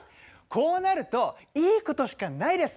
こうなるといいことしかないです。